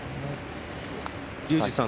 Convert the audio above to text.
竜二さん